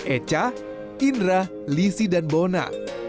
echa indra lisi dan bona